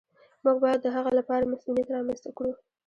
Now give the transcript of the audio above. موږ باید د هغه لپاره مصونیت رامنځته کړو.